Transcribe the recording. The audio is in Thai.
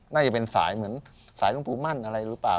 น่าจะเป็นสายเหมือนสายหลวงปู่มั่นอะไรหรือเปล่า